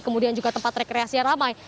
kemudian juga terkreasinya ramai